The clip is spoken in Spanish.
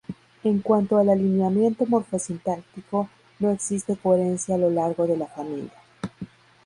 En cuanto al alineamiento morfosintáctico no existe coherencia a lo largo de la familia.